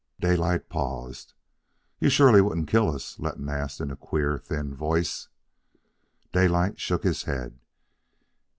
Daylight paused. "You surely wouldn't kill us?" Letton asked in a queer, thin voice. Daylight shook his head.